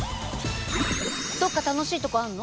どっか楽しいとこあんの？